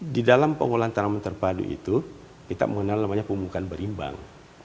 di dalam pengulangan tanaman terpadu itu kita menggunakan namanya pembukaan berimbang